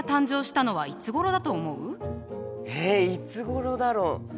えいつごろだろう？